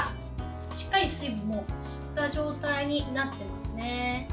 しっかり水分も吸った状態になっていますね。